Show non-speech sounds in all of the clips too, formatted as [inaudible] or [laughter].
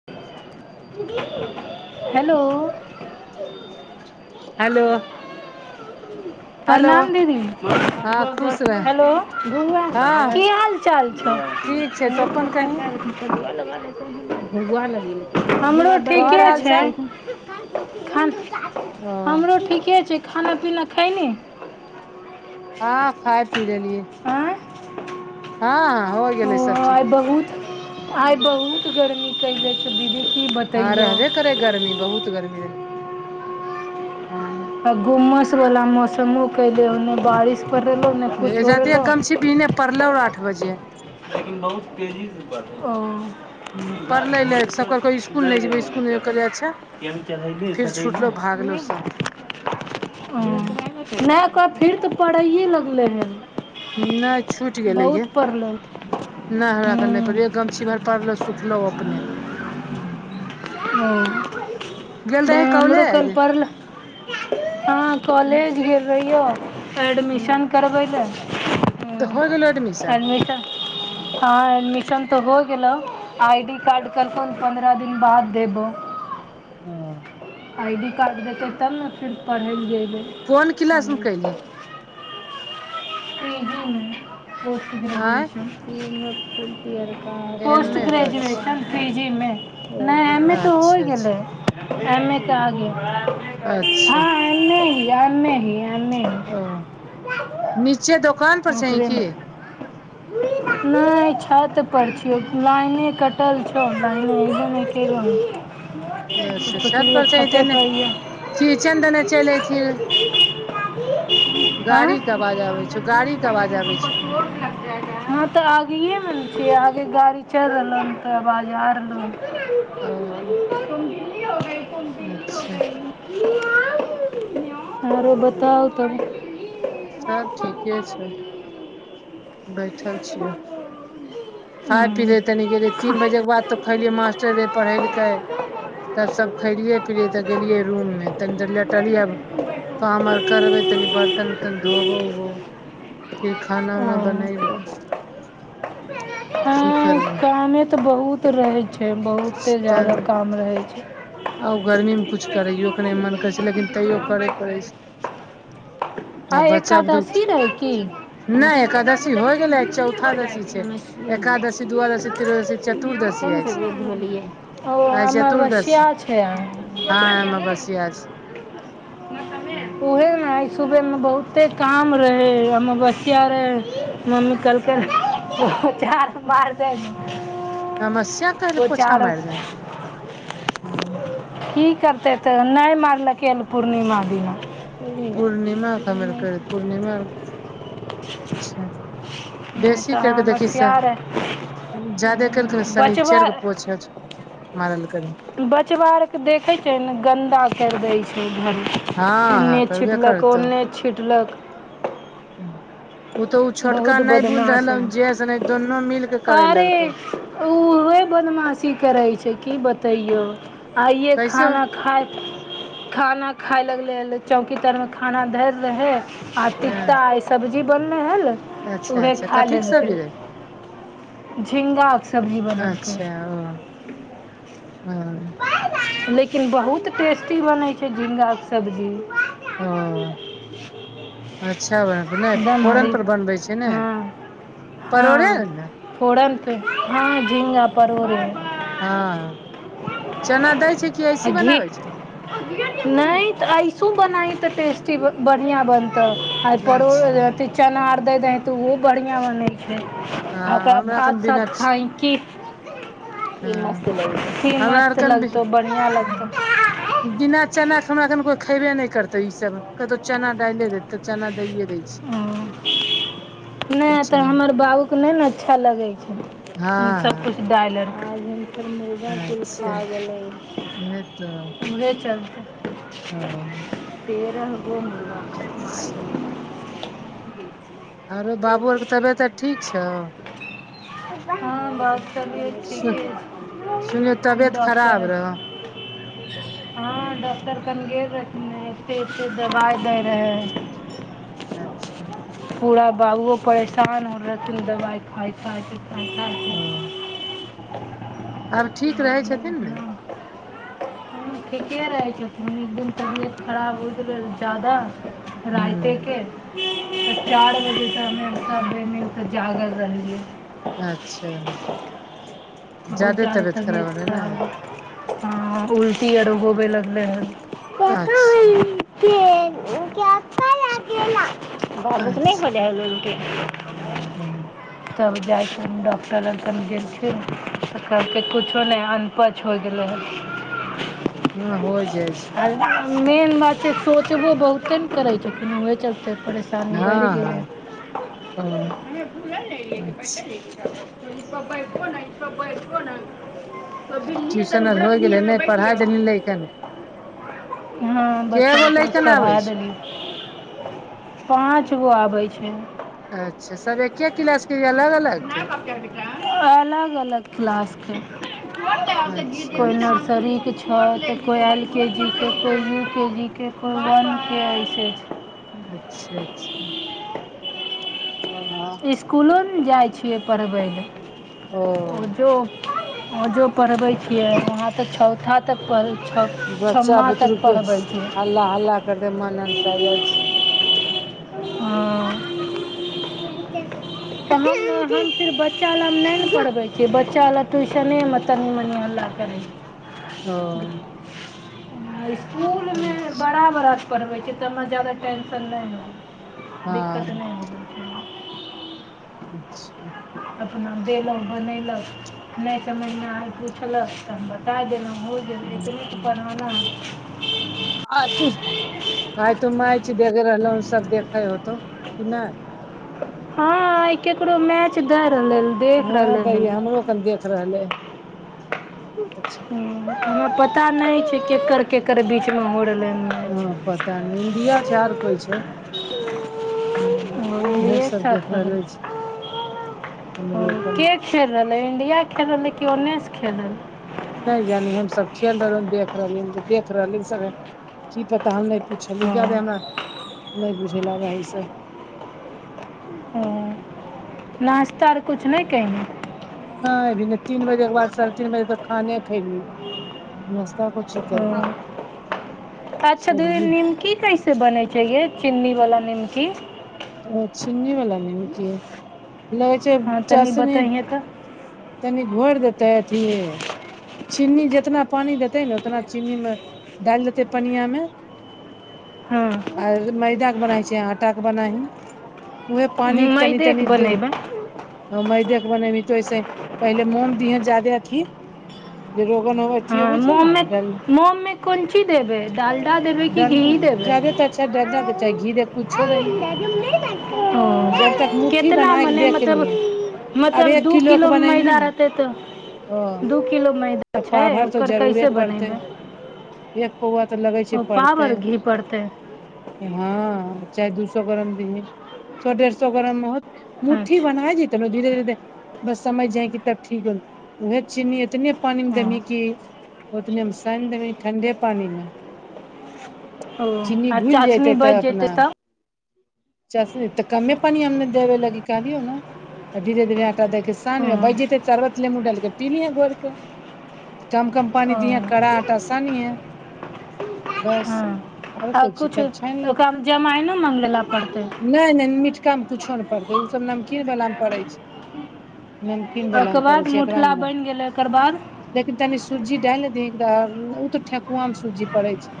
[inaudible] Hello [inaudible] hello hello प्रणाम दीदी हँ खुश रह हेलो हँ की हाल चाल छै ठीक छै तु अपन कहीं हमरो तोहर ठीके हाल छै चाल खान ओ हमरो ठीके छै खाना पीना खैनी हँ खाय पी लेलिए आँय हँ हो ओ गेलै सब चीज आइ बहुत गर्मी कैले छै दीदी की बत हँ रहबे करै गर्मी बहुत गर्मी रहै हँ आ घुमसवला मौसमो कटै नहि ने बारिश पड़ि रहलौ ने किछु भऽ जाते रहलौ गमछी बिहने पड़लौ आठ बजे ओ [unintelligible] [unintelligible] हूँ पढ़ले ले सब कहलको स्कूल नहि जेबै स्कूल नहि कहलियै अच्छा फिर छुटलो भागलो सब हूँ नहि ओकर फेर तऽ परैए लगलै हन नहि छूटि गेलै गे बहुत नहि, पढ़लै हूँ हमरा करऽ नहि पड़ै छै एकटा गमछी भर पड़लौ सुखलौ अपने [unintelligible] ओ गेल नहि रही हमरो कल कॉलेज परलौ हँ हूँ कॉलेज गेल रहियो हूँ एडमिशन करबै ले तऽ हो गेलो हूंम्म एडमिशन हँ, एडमिशन तऽ भऽ गेलौ। आइ डी कार्ड कलखुन, पन्द्रह दिन बाद देबो ओ आइडी कार्ड देतै, तब ने फेर पढ़ै लए जैबै कोन किलास मे कहीयै पी जी मे पोस्ट आँय ग्रेजुएशन [unintelligible] एम पोस्ट ए अच्छा ग्रेजुएशन पी जी मे नहि एम ए तऽ होय अच्छा गेलै अच्छा एम ए तऽ आगे अच्छा हय हँ एम ए हीय एम ए हीय ओ नीचे दोकान पर छहीं की ओकरेमे नहि छत पर छियौ लाइने कटल छौ लाइनो एबो नहि कैलौ हन अच्छा छत [unintelligible] पर पर ये किचन दने चलि ऐतही रहे आँय गाड़ी के अवाज आबै छौ गाड़ी के अवाज आबै छौ हँ, तऽ आगैयेमे न छीयै आगे गाड़ी चलि रहलौ हन तऽ आबाज आ रहलौ हन। ओ अच्छा आरो बताउ तब सब ठीके छै बैठल छियो खाय पी हूँ रहे तनी गेलियै तीन बजे के बाद तऽ खैलियै मास्टर एलय पढ़ेलकै तब सभ खेलियै-पिलियै, तऽ गेलियै रूममे आ तनि देर लेटलियै आब काम आर करबै तनी बर्तन उरतन धोबौ उबौ फिर खाना ओ उना बनैबौ हँ करबो कामे तऽ बहुत रहै छै बहुते तऽ जादा काम रहै छै आ गर्मीमे किछु करैयोके मन नहि करै छै। लेकिन तैयो करए पड़ै छै। [inaudible] आइ बच्चा भूख एकादशी रहै की नहि एकादशी भऽ गेलै आय चौथा दशी छै। तनी से एकादशी द्वादशी त्रयोदशी चतुर्दशी आइ बेद होलियै ओ चतुर्दशी अमावस्या अछि छै आइ आय अवस्था अछि उहे सुबह में बहुते काम रहै अमबसया रहै मम्मी कहलकै ओ चार मार अमावस्या काल्हि ओ पोछा चारि। मारि दही हँ की करतै तऽ नहि मारलकै पूर्णिमा दिना पूर्णिमा कमेलके पूर्णिमा अच्छा तऽ बेसी करि कऽ देखी तँ हमस्या रे जादे करि कऽ ने, बचबा शनिचरके पोछा मारल करी। बच्चा आरके देखैत छै ने गन्दा कऽ दैत छै। घर हँ एन्ने-ओन्ने हँ करबे छिटकल अछि करतौ नहि छिटलक हँ [inaudible] ओ तो ओ छोटका बहुत नहि बुल बदमाश रहल हइ जेस ने दोनू मिलके करे लगतौ ओ बदमाशी करै छै। की बतैयौ आइये कैसे खाना खाय खाना खाय लगले ह चौकी तर मे खाना धर रहै आओर हँ तीता ई सब्जी बनलै हल अच्छा उएह अच्छा खा कथीक सब्जी लेलकै। रे झिङ्गाके सब्जी के बनबे छिये हँ लेकिन बहुत टेस्टी बनै छै झीगाके सब्जी ओ अच्छा ब नहि एकदम हरी फोरन पर बनबै छै ने परोड़े ने फोड़न्त हँ झिङ्गा-परोर हँ, चना दैत छै कि अइसहीं घी बनबैत छै? नहि तऽ ऐसो बनाय तऽ टेस्टी बढ़िया अच्छा बनत चना दऽ दे तऽ बढ़िया बनत। हँ ओकरा हमरा कन भात बिना साथ खाई कि हँ हमरा आर मस्त कन लगतौ बढ़िआँ लगतौ [inaudible] बिना चना के हमरा किछु खेबे नहि करै छै। ई सभ जतऽओ बनैत छै। चना डारि दैत छै। तऽ हम चना दऽ दैत छी [inaudible] नहि अच्छा तऽ हमर बाबूके नहि ने अच्छा लगै हँ छै सभ हँ कछ डाईलर क फेर मेदा खा अच्छा गेलै उहे तो उहै चलते ओ तेसर गोम अच्छा आरो बाबू आर के तबियत आ ठीक छौ हँ, बाबू तबियत सु ठीके सुनलियौ छै, तबियत डॉक्टर। खराब रहौ हँ, डॉक्टर कनि-कनि देखथिन, फेर एतेक-एतेक दबाइ दैत रहथिन। अच्छा पूरा बाबुओ परेशान हो रहथिन दबाई खाइथ खाइथ ह आब ठीक रहै छथिन ने ठीके रहै छथिन एकदम तबियत खराब होइत गेल ज्यादा रायते हूँ के तऽ चारि बजे सँ हमे जागल रहलियै [unintelligible] अच्छा बहुत जादे जा्यदा तबियत रहै ने खराब ये [unintelligible] उल्टी आर होबय लगलै हन [unintelligible] अच्छ क नहि हो ह [unintelligible] [unintelligible] ह [inaudible] तब जाइ कऽ डॉक्टरक लग गेलखिन, तऽ कहलकै किछुओ नहि [unintelligible] उपाच होइ गेलै हँ [unintelligible] हँ हो जाइ छै आ मेन बात छै सोचबो बहुते ने करै छथिन इ चलते च बर हँ गेल हँ ओ अच्छा [unintelligible] ई सब बैो ने ई सब बैको ने [unintelligible] ट्यूशन आर होइ गेलै नहि पढ़ाई देलही ल‌इकन केँ हँ बच्चा गो त लैकन पढ़ा आबै देलीये पाँच गो आबै छै। अच्छा सब एके क्लास के या अलग अलग क अलग अलग क्लासके अच्छा कोए अच्छा नर्सरी हँ तऽ कोइ एल के जी के कोइ यू के जी के कोइ वन के छै अच्छा अच्छा छ हं [inaudible] स्कुलो ने जाइ छियै पढ़बै लए ऊ ओ जो ओजो पढ़बै छियै वहाँ तऽ चौथा तक छओ बच्चा छओ्म तक बुतरुक पढ़बै छै हल्ला हल्ला करे मन अ साइ जाइ छै हं त हम हम फिर बच्चा [unintelligible] बच्चा ले हम नहि ने पढ़बै छियै बच्चा लए ट्यूशनेमे तनी मनि हल्ला करै छै। ओ स्कुलमे अच्छा बड़ा बड़ा के पढ़बै छियै त हमरा ज्यादा टेन्शन नहि होबे छै दिक्कत हँ नहि होवै छै अच्छा अपन देलहुँ बनेलक नहि तऽ महिना हइ पुछलक तऽ हम बताए देलहुँ हो गेल एतने पढ़ाना अथ आइ तू मैच देख रहलहु सब देखे होतौ नहि [unintelligible] हँ आइ केकरो मैच दैय रहलै देख हँ रहलै हन दइया हमरो कन देख रहले हु अच्छा हमरा पता नहि छै केकर केकर बीचमे हो रहलै हन मैच हँ पता नहि इंडिया छै आर कोइ छै [unintelligible] हु उएह इंडिये के सब साथ देख हो रहले रहलै छी हमरो कन के खेल रहलै इंडिया खेल रहलै कि ओन्नेसँ खेल रहलै। ई नहि जानी हम सब खेल रहलियो देख रहली देख रहली सब की पता हम नहि पुछलियौ ज्यादे हमरा हँ नहि बुझैला आबै है ई सब ओ नास्ता आर किछु नहि कहि नहि अभी नहि तीन बजे के बाद साढ़े तीन बजे तक खाने खयलिये नाश्ता कुछ हँ अच्छा दीदी सब्जी नीमकी कैसे से बनै छैै गे चीन्नीवला निमकी ओ चिन्नी वला निमकी लगै छै हँ तनी चासनी, बतैहे तऽ तनि घोरि देतै अथि चीनी जेतना पानि देतै ने उतना चीनीमे डालि देतै पनियामे [inaudible] हँ। आर मैदाके बनाइ छै। आटाके बनाही उहे पानी तनी मैदे के तनी दे बनेबै हा मैदेके बनेबहीं तऽ ओहिसे ही पहिले मोम दिहैं ज्यादे अथी जे रोगन हो अथी हँ हो छै ने मोममे मोममे कोन चीज देबै डालडा देबै कि घी डालडा देबै जादे त अच्छा। डालडा दे चाहे घी दे कुछो दहीं कुछो आ जब तक मुट्ठी बन्हाइके देख तब लिहे आब मतलब एक दू के किलो बनयबी मैदा ने रहतै ओ तऽ दू किलो मैदा। तऽ छै पाभर तऽ ओकर जरूरे कैसे पड़तै। बनेबै एक पौआ तऽ लगै छै। ओ पाव पड़तै आर घी पड़तै हँ, चाहे दू सए गरम दिहि सए डेढ़ सए गरममे होत मुठ्ठी अच्छा बना जेत तहिमे धीरे धीरे। बस समझ जायकि तब ठीक हो उहे चिनी एतने पानिमे देबही कि ओ ओतनेमे साइन देबहीं ठण्डे पानीमे ओ चिनी आ घुलि चाशनी जैते तऽ बचि जेतै अपना। तब चासनी तऽ कमे पानि हम न देबे लागी कहलियौ आ धीरे धीरे साँ बीएच हँ जते चरबत नेमू डालके पीलिय घोरिक चमकम पानि दिय कड़ा हँ आटा सानीह बस हँ और आ कोचि किछु तब छानि लेबही ओकरामे जमाइनो मङगबै लऽ पड़तै? नहि नहि मिटकामे कुछो ने पड़तै ओ सभ नमकीन वलामे पड़ै छै। नमकीन ओहिके वलामे पड़ै बाद छै। एकरा मुठला मे नै बनि गेलै ओकर बाद लेकिन तनि सुजी डालि दे दही ओ तऽ ठेकुआमे सुजी पड़ै छै।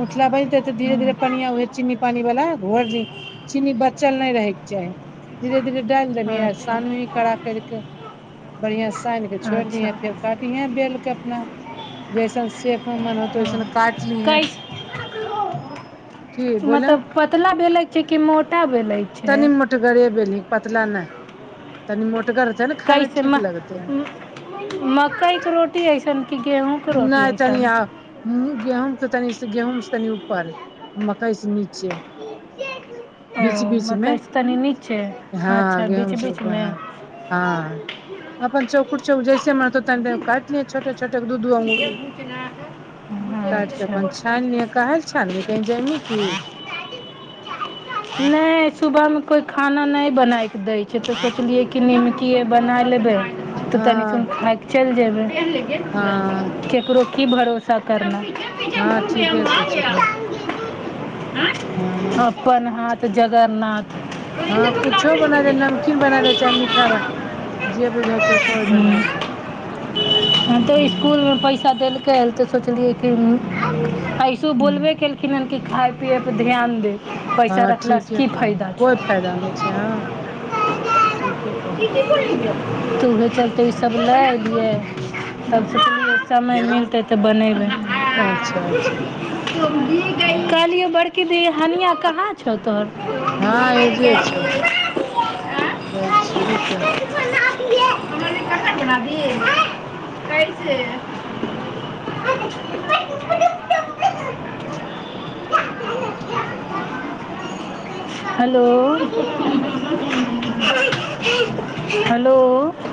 मुठला बनतै तऽ धीरे धीरे हँ पानिया उहेए चीनी पानि वाला घोईर दिही चीनी बचल नहि रहैके चाही। धीरे धीरे डालि देबही आ अच्छा सानबीही कड़ा करिके बढ़िआँ से सानके छोड़ि अच्छा दियहे फेर काटिहे बेलके अपना। जैसन सेफमे मन हो तै हँ वैसन काट ली है। कैसे जी बोला मतलब पतला बेलै छै। कि मोटा बेलै? छै तनी मोटगर बैले पतला नहि तनी मोटगर छै ने खाय मे कैसे ठीक लगते मकइके रोटी अइसन कि गेहूँके रोटी अइसन? गेहूॅंके तनी गेहूँं से तनी ऊपर मकई से नीच ओ मकइसँ तनी नीक छै हँ अच्छा बीच गेहूँम से ऊपर बीचमे हँ हँ, अपन चौकुर चौ जैसे मन हेतौ तनि देरमे काटि लिहै छोटे चारि टा कऽ दू-दू अँगूर काटि कऽ अपन छानि लिहै अच्छा काहे? छै ने, कही जाय ने की। नहि, सुबहमे कोइ खाना नहि बनाबऽ दै छै तऽ सोचलियै कि नीमकिये बना लेबै। तऽ कनि हँ सुनऽ, कि चलि जेबै हँ ककरो? की भरोसा करना हँ ठीके सोचलिन [unintelligible] हँ अपन हाथ जगन्नाथ। हँ, किछु बना लिअ नमकीन बना लिअ चाहे मीठा। जे बुझाइ छौ, कोइ बनाय ले। हँ तऽ ओ हूं स्कूल। पैसा देलकै तऽ सोचलियै कि एहिसँ हूं बोलबे केलक। किनऽ लऽ कि खाइ-पिअइ पर ध्यान दे। पैसा हँ, रखलासँ ठीके की कहै छी, फायदा छौ कोनो फायदा नहि छै। हँ, ठीके कहै छी। तोहरे चलते ई सभ लऽ अएलियै। सभसँ समय मिलतै तऽ बनयबै। अच्छा अच्छा कहलियौ, बड़की दी, हनिया कहाँ छौ तोहर? हँ एजे छौ दै छियौ रूके [unintelligible] कैसे [unintelligible] [inaudible] हेलो [unintelligible] हेलो